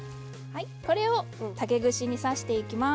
これを竹串に刺していきます。